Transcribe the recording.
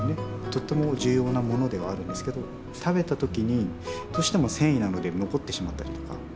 とっても重要なものではあるんですけど食べた時にどうしても繊維なので残ってしまったりとか。